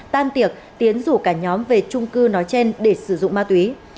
tan tiệc tiến rủ cả nhóm về trung cư nói trên để sử dụng ma túy